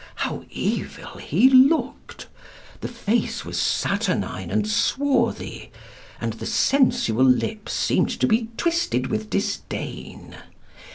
How evil he looked! The face was saturnine and swarthy, and the sensual lips seemed to be twisted with disdain.